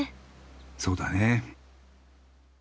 そうだね。